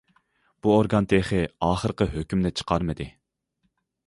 بۇ ئورگان تېخى ئاخىرقى ھۆكۈمنى چىقارمىدى.